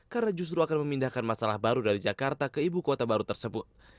karena justru akan memindahkan masalah baru dari jakarta ke ibu kota baru tersebut